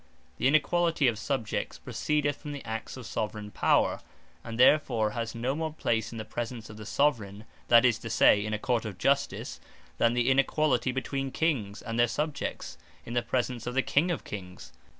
The Inequality of Subjects, proceedeth from the Acts of Soveraign Power; and therefore has no more place in the presence of the Soveraign; that is to say, in a Court of Justice, then the Inequality between Kings, and their Subjects, in the presence of the King of Kings.